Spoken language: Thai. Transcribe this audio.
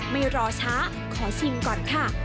ไม่รอช้าขอชิมก่อนค่ะ